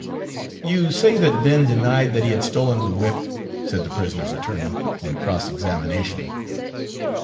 "You say that Ben denied that he had stolen the whip," said the prisoner's attorney, on cross examination."